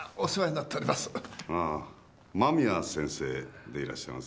ああ間宮先生でいらっしゃいますね？